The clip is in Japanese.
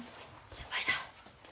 先輩だ。